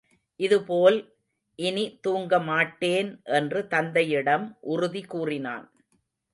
இது போல் இனி தூங்கமாட்டேன் என்று தந்தையிடம் உறுதி கூறினான்.